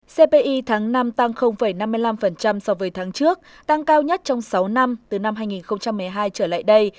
cpi tháng năm tăng năm mươi năm so với tháng trước tăng cao nhất trong sáu năm từ năm hai nghìn một mươi hai trở lại đây